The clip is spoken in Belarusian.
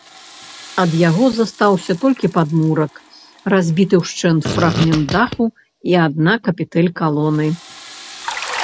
Ад яго застаўся толькі падмурак, разбіты ўшчэнт фрагмент даху і адна капітэль калоны.